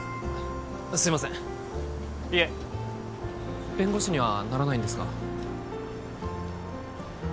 すいませんいえ弁護士にはならないんですか？